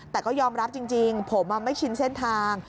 แต่ก็ยอมรับจริงผมไม่ชินเส้นทาง